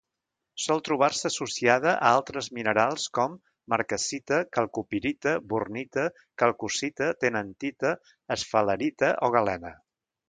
Sol trobar-se associada a altres minerals com: marcassita, calcopirita, bornita, calcocita, tennantita, esfalerita o galena.